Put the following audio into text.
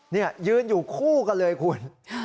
นี่ยืนอยู่คู่กันเลยคุณ